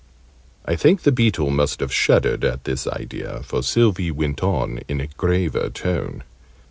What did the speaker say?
I think the Beetle must have shuddered at this idea, for Sylvie went on in a graver tone.